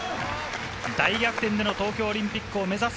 大逆転での東京オリンピックを目指す